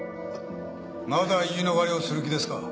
まだ言い逃れをする気ですか？